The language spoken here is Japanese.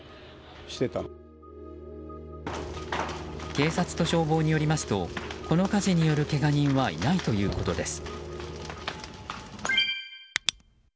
警察と消防によりますとこの火事によるけが人はいないということです。